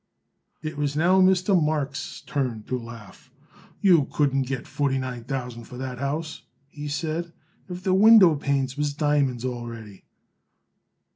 It was now Mr. Marks' turn to laugh. "You couldn't get forty nine thousand for that house," he said, "if the window panes was diamonds already."